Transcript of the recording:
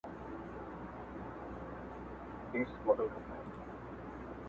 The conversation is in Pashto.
چي پر اوښ دي څه بار کړي دي څښتنه.!